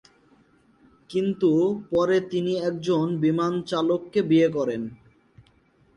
কিন্তু পরে তিনি একজন বিমান চালককে বিয়ে করেন।